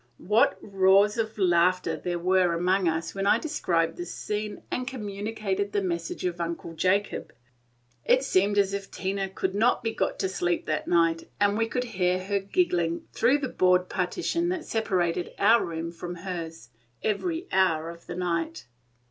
What roars of laughter there were among us when I described this scene and communicated the message of Uncle Jacob! It seemed as if Tina could not be got to sleep that night, and we could hear her giggling, through the board partition that separated our room from hers, every hour of the night.